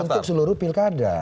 berlaku untuk seluruh pilkada